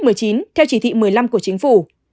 theo chỉ thị một mươi năm của chính phủ